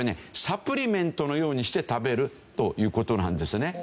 サプリメントのようにして食べるという事なんですね。